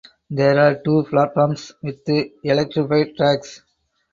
There are two platforms with electrified tracks.